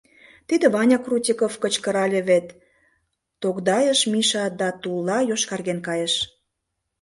«Тиде Ваня Крутиков кычкырале вет», — тогдайыш Миша да тулла йошкарген кайыш».